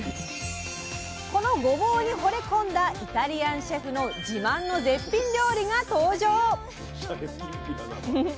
このごぼうにほれ込んだイタリアンシェフの自慢の絶品料理が登場！